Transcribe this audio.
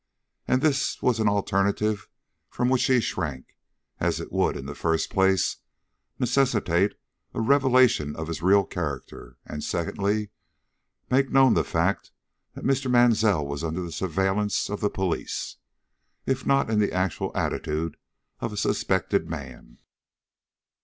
And this was an alternative from which he shrank, as it would, in the first place, necessitate a revelation of his real character; and, secondly, make known the fact that Mr. Mansell was under the surveillance of the police, if not in the actual attitude of a suspected man.